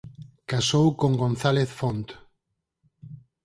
Casou con González Font.